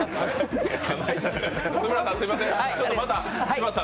津村さんすみません